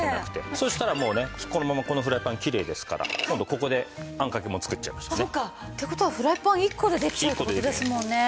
そしたらこのままこのフライパンきれいですから今度ここであんかけも作っちゃいましょうね。って事はフライパン一個でできちゃうって事ですもんね。